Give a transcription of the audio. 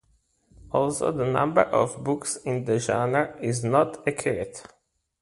Also the number of books in a genre is not accurate.